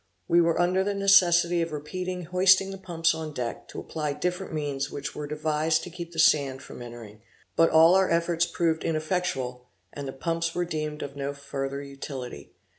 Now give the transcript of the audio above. We were under the necessity of repeatedly hoisting the pumps on deck, to apply different means which were devised to keep the sand from entering, but all our efforts proved ineffectual, and the pumps were deemed of no further utility.